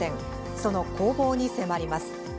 その攻防に迫ります。